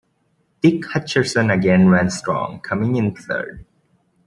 Dick Hutcherson again ran strong, coming in third.